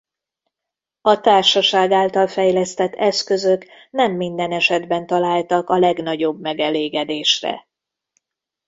A társaság által fejlesztett eszközök nem minden esetben találtak a legnagyobb megelégedésre.